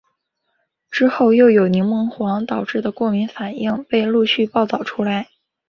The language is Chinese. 之后又有柠檬黄导致的过敏反应被陆续报道出来。